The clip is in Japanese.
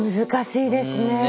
難しいですね。